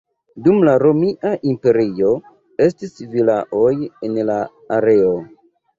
Dum la Romia Imperio estis vilaoj en la areo.